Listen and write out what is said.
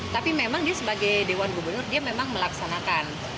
tapi memang dia sebagai dewan gubernur dia memang melaksanakan